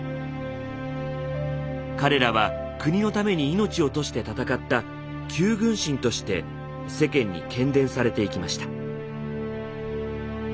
彼らは国のために命を賭して戦った「九軍神」として世間に喧伝されていきました。